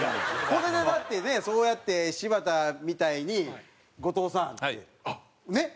これでだってねそうやって柴田みたいに後藤さんねっ。